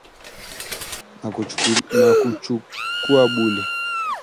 Nikachukua buli